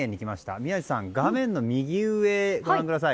宮司さん画面の右上をご覧ください。